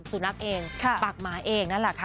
สุนัขเองปากหมาเองนั่นแหละค่ะ